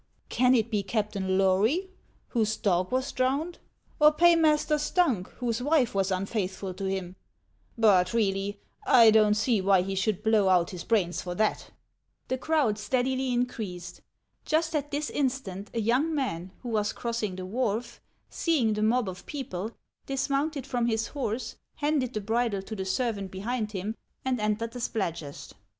Can it be Captain Lory, whose dog was drowned, or Paymaster Stunck, whose wife was unfaithful to him 1 But, really, I don't see wrhy he should blow out his brains for that !" The crowd steadily increased. Just at this instant, a young man who was crossing the wharf, seeing the mob of people, dismounted from his horse, handed the bridle to the servant behind him, and entered the Spladgest.